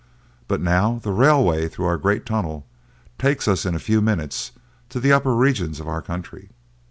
But now the railway through our great tunnel takes us in a few minutes to the upper regions of our country.